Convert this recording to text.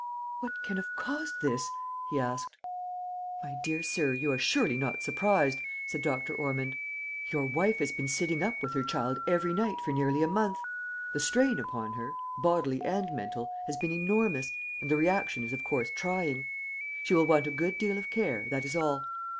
"What can have caused this?" he asked. "My dear sir, you are surely not surprised," said Dr. Ormond. "Your wife has been sitting up with her child every night for nearly a month the strain upon her, bodily and mental, has been enormous, and the reaction is of course trying. She will want a good deal of care, that is all.